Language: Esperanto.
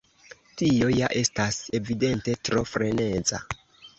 Tio ja estas evidente tro freneza!